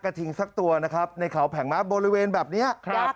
กระทิงสักตัวในเขาแผ่งมาสบบริเวณแบบนี้